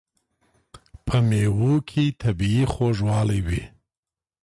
په مېوو کې طبیعي خوږوالی وي.